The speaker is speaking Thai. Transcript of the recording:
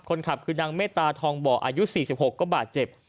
คนขับคือนางเมตตาทองบ่ออายุ๔๖ก็บาดเจ็บ